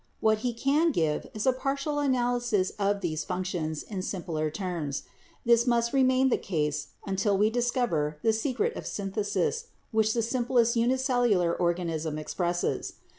What he can give is a partial analysis of these functions in simpler terms. This must remain the case until we discover the secret of the syn thesis which the simplest unicellular organism expresses.